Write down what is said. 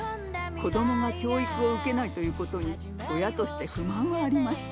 子どもが教育を受けないということに親として不満はありました。